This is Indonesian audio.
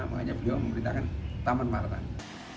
makanya beliau memerintahkan taman martani